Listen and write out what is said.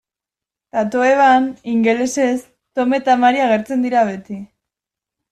Tatoeban, ingelesez, Tom eta Mary agertzen dira beti.